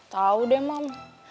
tau deh mam